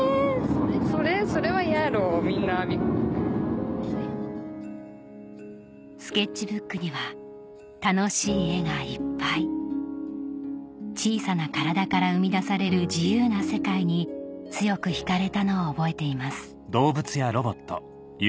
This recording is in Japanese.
それは嫌やろみんな・スケッチブックには楽しい絵がいっぱい小さな体から生み出される自由な世界に強く惹かれたのを覚えています